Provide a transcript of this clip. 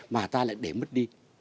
mà ta lại để mất đi